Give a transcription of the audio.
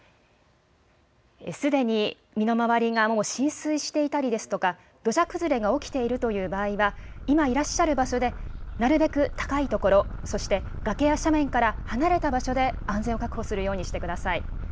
すでに身の回りがもう浸水していたりですとか、土砂崩れが起きているという場合は、今いらっしゃる場所で、なるべく高い所、そして崖や斜面から離れた場所で安全を確保するようにしてください。